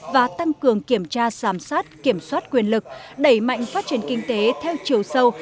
và tăng cường kiểm tra sàm sát kiểm soát quyền lực đẩy mạnh phát triển kinh tế theo chiều sâu